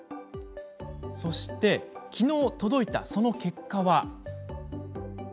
きのう届いた、その結果は。